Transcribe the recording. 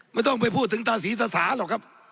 ไม่ต้องไปพูดถึงตาศรีตาสาหรอกครับ